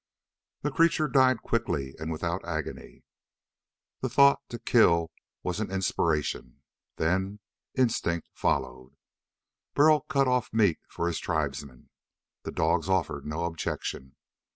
The creature died quickly and without agony. The thought to kill was an inspiration. Then instinct followed. Burl cut off meat for his tribesmen. The dogs offered no objection.